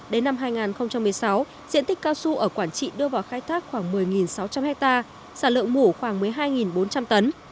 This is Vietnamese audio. đến năm hai nghìn một mươi sáu diện tích cao su ở quảng trị đưa vào khai thác khoảng một mươi sáu trăm linh hectare sản lượng mủ khoảng một mươi hai bốn trăm linh tấn